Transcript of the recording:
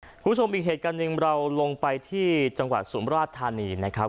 คุณผู้ชมอีกเหตุการณ์หนึ่งเราลงไปที่จังหวัดสุมราชธานีนะครับ